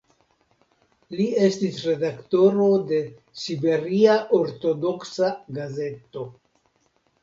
Li estis redaktoro de "Siberia ortodoksa gazeto".